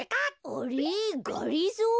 あれっがりぞー？